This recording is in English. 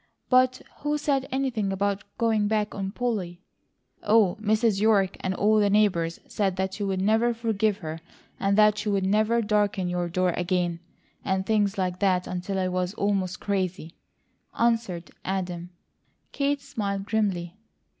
"But who said anything about 'going back on Polly?'" "Oh, Mrs. York and all the neighbours said that you'd never forgive her, and that she'd never darken your door again, and things like that until I was almost crazy," answered Adam. Kate smiled grimly.